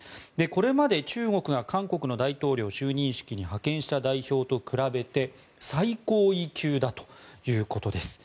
これまで中国が韓国の大統領就任式に派遣した代表と比べて最高位級だということです。